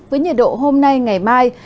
với nhiệt độ hôm nay ngày mai